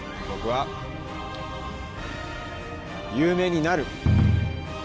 僕は「有名になる」。